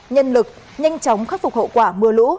nhân lực nhanh chóng khắc phục hậu quả mưa lũ